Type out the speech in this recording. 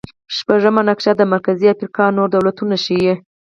شپږمه نقشه د مرکزي افریقا نور دولتونه ښيي.